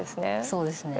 そうですね。